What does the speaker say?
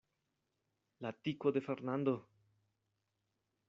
La tiko de Fernando!